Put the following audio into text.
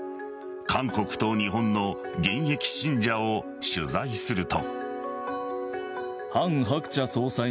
韓国と日本の現役信者を取材すると。